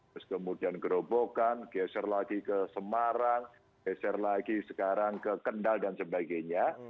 terus kemudian gerobokan geser lagi ke semarang geser lagi sekarang ke kendal dan sebagainya